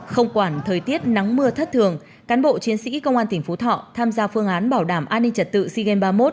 không quản thời tiết nắng mưa thất thường cán bộ chiến sĩ công an tỉnh phú thọ tham gia phương án bảo đảm an ninh trật tự sea games ba mươi một